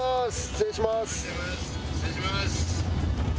失礼します。